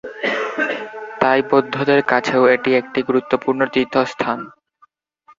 তাই বৌদ্ধদের কাছেও এটি একটি গুরুত্বপূর্ণ তীর্থস্থান।